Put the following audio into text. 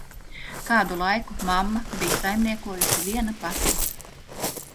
Kādu laiku mamma bij saimniekojusi viena pati.